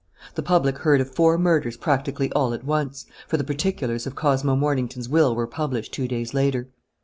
The public heard of four murders practically all at once, for the particulars of Cosmo Mornington's will were published two days later.